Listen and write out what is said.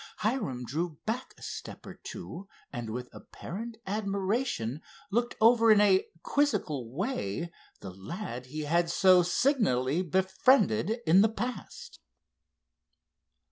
Hiram drew back a step or two, and with apparent admiration looked over in a quizzical way the lad he had so signally befriended in the past.